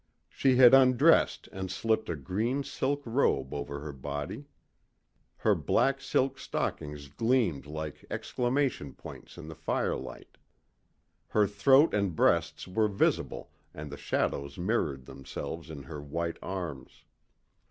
She had undressed and slipped a green silk robe over her body. Her black silk stockings gleamed like exclamation points in the firelight. Her throat and breasts were visible and the shadows mirrored themselves in her white arms.